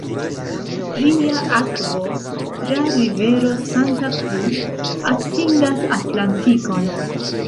Ĝia akvo tra rivero Santa Cruz atingas Atlantikon.